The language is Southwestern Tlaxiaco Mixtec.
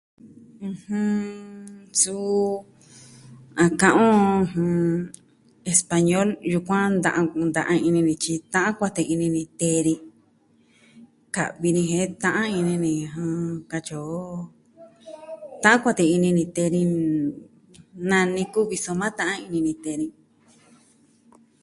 ɨjɨn, suu a ka'an on español, yukuan da nkunta'an ini ni tyi ta'an kuate ini ni tee ni, ka'vi jen ta'an ini ni, katyi o. Ta'an kuate ini ni tee ni, nani kuvi, soma ta'an ini ni tee ni.